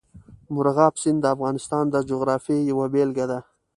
مورغاب سیند د افغانستان د جغرافیې یوه بېلګه ده.